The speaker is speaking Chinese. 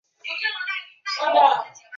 事件揭发后对香港社会造成轩然大波。